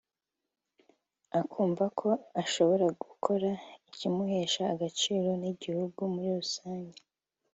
akumva ko ashobora gukora ikimuhesha agaciro n’igihugu muri rusange”